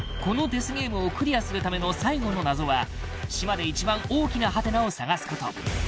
このデスゲームをクリアするための最後の謎は島で一番大きなハテナを探すこと